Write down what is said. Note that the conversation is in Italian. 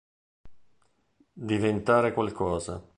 Diventare qualcosa".